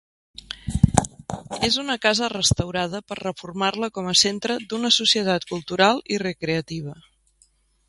És una casa restaurada per reformar-la com a centre d'una Societat cultural i Recreativa.